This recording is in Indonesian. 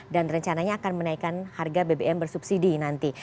dan rencananya akan menaikkan harga bbm bersubsidi nanti